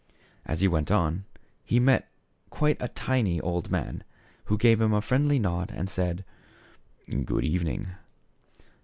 As he went on, he met quite a tiny old man, who gave him a friendly nod and said, " Good evening."